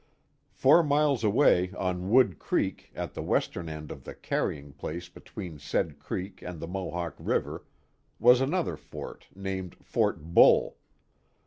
Four miles away on Wood Creek at the western end of the carrymg place between said creek and the Mohawk River, was another fort named Fort Bull.